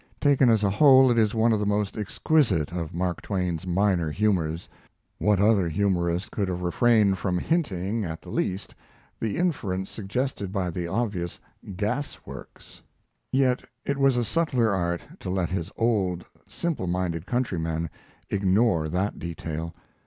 Taken as a whole it is one of the most exquisite of Mark Twain's minor humors. What other humorist could have refrained from hinting, at least, the inference suggested by the obvious "Gas Works"? Yet it was a subtler art to let his old, simple minded countryman ignore that detail.